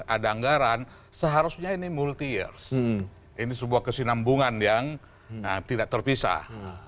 ada anggaran seharusnya ini multi years ini sebuah kesinambungan yang tidak terpisah